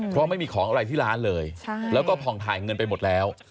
เพราะไม่มีของอะไรที่ร้านเลยแล้วก็ผ่องถ่ายเงินไปหมดแล้ว